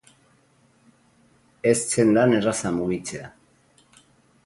Ez zen lan erraza mugitzea.